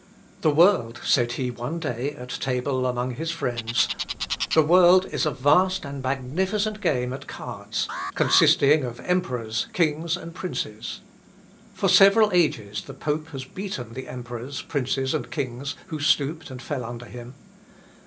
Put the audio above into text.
"The world," said he one day at table among his friends; "the world is a vast and magnificent game at cards, consisting of emperors, kings, and princes. For several ages the pope has beaten the emperors, princes, and kings, who stooped and fell under him.